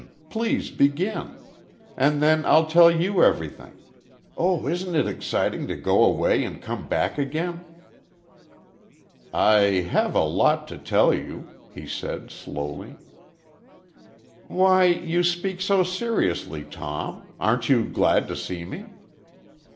Please, begin! And then I'll tell you everything. Oh, isn't it exciting to go away and come back again!" "I have a lot to tell you," he said, slowly. "Why, you speak so seriously, Tom. Aren't you glad to see me?"